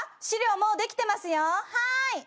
資料もうできてますよはい。